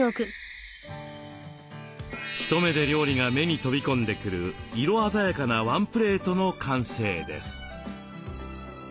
一目で料理が目に飛び込んでくる色鮮やかなワンプレートの完成です。